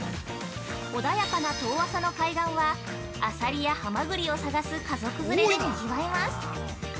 穏やかな遠浅の海岸はアサリやハマグリを探す家族連れでにぎわいます。